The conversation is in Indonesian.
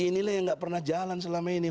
ini lah yang gak pernah jalan selama ini